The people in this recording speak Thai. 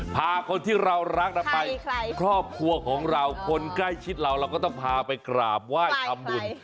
พาคนที่เรารักเราไปครอบครัวของเราคนใกล้ชิดเราเราก็ต้องพาไปกราบไหว้ทำบุญ